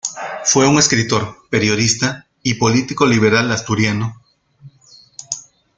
Fue un escritor, periodista y político liberal asturiano.